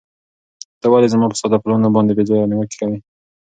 ته ولې زما په ساده پلانونو باندې بې ځایه نیوکې کوې؟